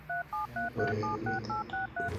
ichamet ureryet